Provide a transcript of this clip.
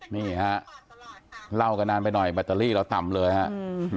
นี่ฮะเล่ากันนานไปหน่อยแบตเตอรี่เราต่ำเลยครับ